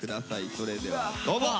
それではどうぞ。